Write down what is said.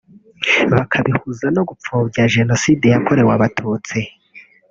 bakabihuza no gupfobya Jenoside yakorwe abatutsi